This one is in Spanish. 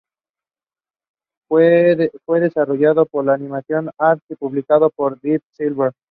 Fue desarrollado por Animation Arts, y fue publicado por Deep Silver.